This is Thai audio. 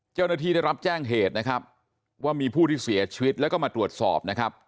เจ้าหน้าที่ได้รับแจ้งเหตุนะครับว่ามีผู้ที่เสียชีวิตแล้วก็มาตรวจสอบนะครับ